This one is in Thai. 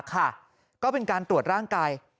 ก็เป็นการตรวจร่างกาย